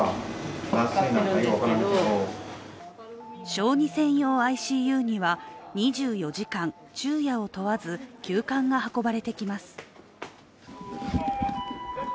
小児専用ＩＣＵには２４時間、昼夜を問わず急患が運ばれてきます。